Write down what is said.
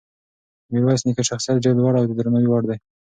د میرویس نیکه شخصیت ډېر لوړ او د درناوي وړ دی.